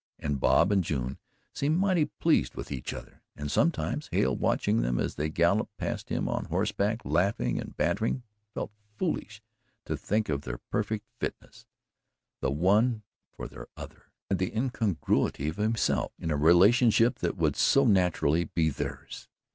And Bob and June seemed mightily pleased with each other, and sometimes Hale, watching them as they galloped past him on horseback laughing and bantering, felt foolish to think of their perfect fitness the one for the other and the incongruity of himself in a relationship that would so naturally be theirs.